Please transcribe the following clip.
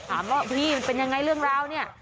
ถามว่าพี่มันเป็นยังไงเรื่องราวเนี่ย